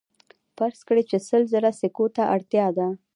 فرض کړئ چې سل زره سکو ته اړتیا ده